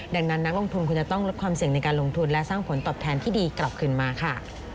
ดังนั้นนักลงทุนควรจะต้องลดความเสี่ยงในการลงทุนและสร้างผลตอบแทนที่ดีกลับขึ้นมาค่ะ